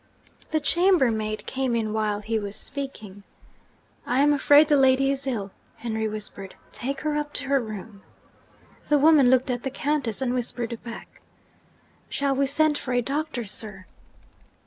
The chambermaid came in while he was speaking. 'I am afraid the lady is ill,' Henry whispered. 'Take her up to her room.' The woman looked at the Countess and whispered back, 'Shall we send for a doctor, sir?'